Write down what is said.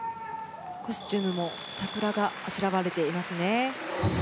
コスチュームも桜があしらわれていますね。